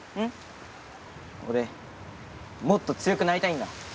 俺、もっと強くなりたいんだ。